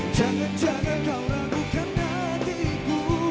jangan jangan kau ragukan hatiku